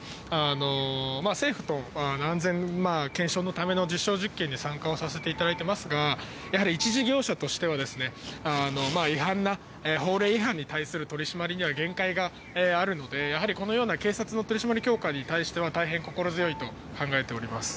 弊社は政府と安全検証のための実証実験に参加をさせていただいていますが、やはり一事業者としては違反な、法令違反に対する取締りには限界があるので、やはりこのような警察の取締り強化に対しては大変心強いと考えております。